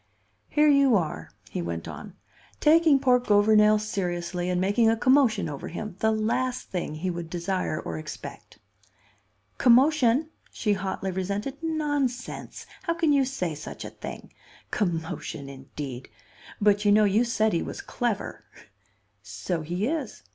"Here you are," he went on, "taking poor Gouvernail seriously and making a commotion over him, the last thing he would desire or expect." "Commotion!" she hotly resented. "Nonsense! How can you say such a thing? Commotion, indeed! But, you know, you said he was clever." "So he is.